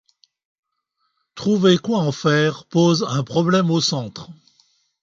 Trouver quoi en faire pose un problème au Centre.